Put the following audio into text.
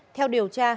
theo điều tra